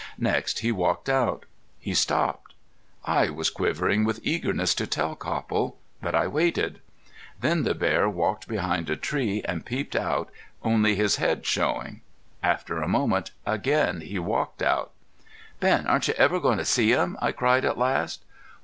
Next he walked out. He stopped. I was quivering with eagerness to tell Copple, but I waited. Then the bear walked behind a tree and peeped out, only his head showing. After a moment again he walked out. "Ben, aren't you ever going to see him?" I cried at last.